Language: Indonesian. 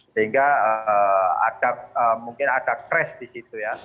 sehingga mungkin ada crash disitu ya